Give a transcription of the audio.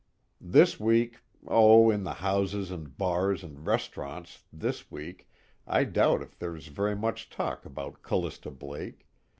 This week oh, in the houses and bars and restaurants this week I doubt if there's very much talk about Callista Blake.